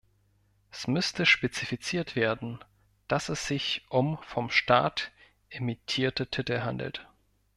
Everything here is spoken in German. Es müsste spezifiziert werden, dass es sich um vom Staat emittierte Titel handelt.